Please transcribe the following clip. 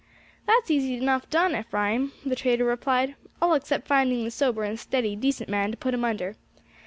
"That's easy enough done, Ephraim," the trader replied, "all except finding the sober and steady decent man to put him under.